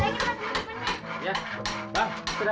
pak rahim minum dulu